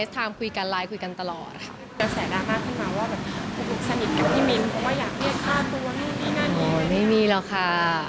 จริงไม่ได้สู้กันนะคะ